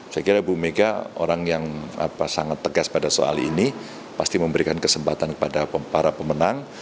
saya kira ibu mega orang yang sangat tegas pada soal ini pasti memberikan kesempatan kepada para pemenang